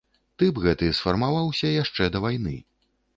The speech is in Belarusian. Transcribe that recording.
Тып гэты сфармаваўся яшчэ да вайны.